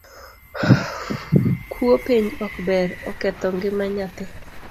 Kuo penj ok ber, oketho ngima nyathi